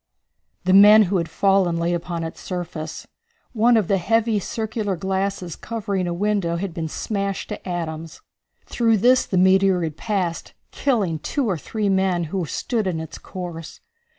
The men who had fallen lay upon its surface. One of the heavy circular glasses covering a window had been smashed to atoms. Through this the meteor had passed, killing two or three men who stood in its course.